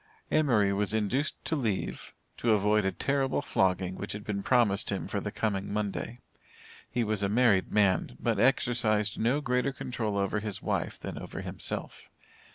Emory was induced to leave, to avoid a terrible flogging, which had been promised him for the coming Monday. He was a married man, but exercised no greater control over his wife than over himself.